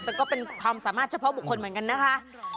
แต่ก็เป็นความสามารถเฉพาะบุคคลเหมือนกันนะคะ